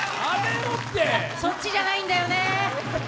そっちじゃないんだよね。